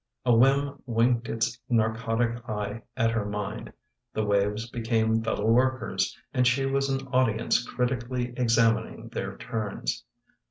A whim winked its narcotic eye at her mind — the waves became fellow workers and she was an audience critically examining their turns.